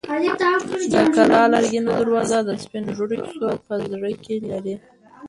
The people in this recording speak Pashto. د کلا لرګینه دروازه د سپین ږیرو کیسې په زړه کې لري.